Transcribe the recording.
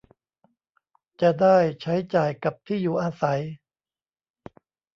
จะได้ใช้จ่ายกับที่อยู่อาศัย